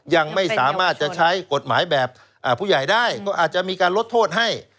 ยังไม่สามารถจะใช้กฎหมายแบบผู้ใหญ่ได้ก็อาจจะมีการลดโทษให้